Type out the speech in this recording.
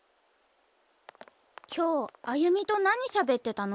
今日亜由美と何しゃべってたの？